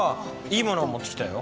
いいものを持ってきたよ。